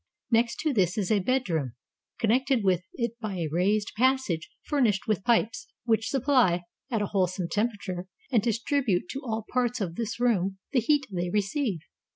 Next to this is a bedroom, connected with it by a raised passage furnished with pipes, which supply, at a whole some temperature, and distribute to all parts of this room, the heat they receive.